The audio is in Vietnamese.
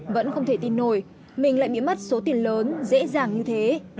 vẫn không thể tin nổi mình lại bị mất số tiền lớn dễ dàng như thế